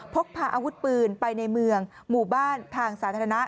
พกพาอาวุธปืนไปในเมืองหมู่บ้านทางสาธารณะ